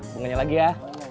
bunganya lagi ya